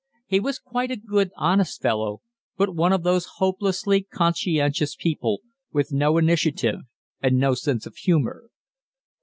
He was quite a good, honest fellow, but one of those hopelessly conscientious people, with no initiative and no sense of humor.